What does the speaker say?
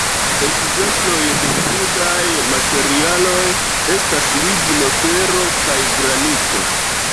Ekzemploj de krudaj materialoj estas ligno, fero kaj granito.